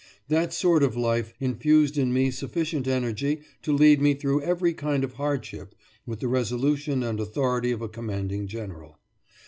That sort of life infused in me sufficient energy to lead me through every kind of hardship with the resolution and authority of a commanding general.